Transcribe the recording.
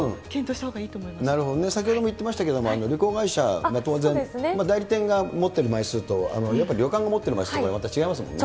なるほどね、先ほども言ってましたけど、旅行会社が当然、代理店が持ってる枚数と、やっぱり旅館が持ってる枚数、また違いますもんね。